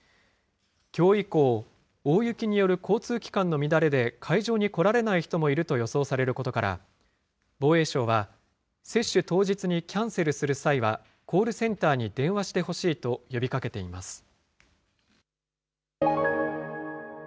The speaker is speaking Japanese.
きょう以降、大雪による交通機関の乱れで、会場に来られない人もいると予想されることから、防衛省は、接種当日にキャンセルする際は、コールセンターに電話してほしいと呼びかけています。